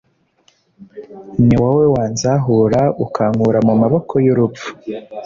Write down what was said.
ni wowe wanzahura ukankura mu maboko y’urupfu